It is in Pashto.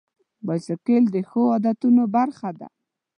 بایسکل د ښو عادتونو برخه ده.